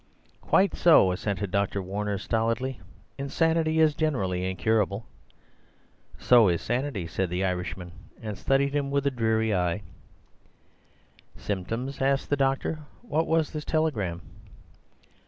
"Quite so," assented Dr. Warner stolidly; "insanity is generally incurable." "So is sanity," said the Irishman, and studied him with a dreary eye. "Symptoms?" asked the doctor. "What was this telegram?"